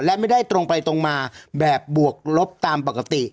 และไม่ได้ตรงไปตรงมาแบบบวกลบตามปกติ